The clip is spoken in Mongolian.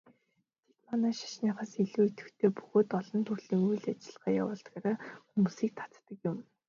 Тэд манай шашныхаас илүү идэвхтэй бөгөөд олон төрлийн үйл ажиллагаа явуулдгаараа хүмүүсийг татдаг юм.